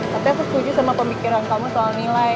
tapi aku setuju sama pemikiran kamu soal nilai